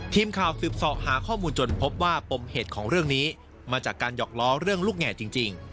ทีมข่าวสืบสอบหาข้อมูลจนพบว่าปมเหตุของเรื่องนี้มาจากการหยอกล้อเรื่องลูกแง่จริง